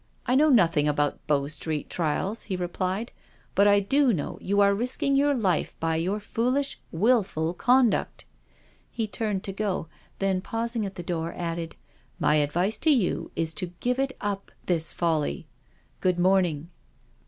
I know nothing about Bow Street trials," he replied, '• but I do know you are risking your life by your foolish, wilful conduct." He turned to go, then pausing at the door, added: *• My advice to you is to give it up, this folly. Good morning."